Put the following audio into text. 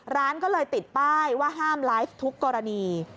ร้านก็เลยติดป้ายว่าห้ามไลฟ์ทุกกรณี